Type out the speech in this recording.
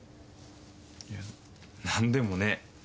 いや何でもねえ。